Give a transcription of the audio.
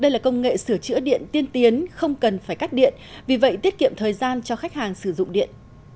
đây là công nghệ sửa chữa điện tiên tiến không cần phải cắt điện vì vậy tiết kiệm thời gian cho khách hàng sử dụng điện